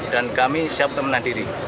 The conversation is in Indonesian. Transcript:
dan kami siap untuk menandiri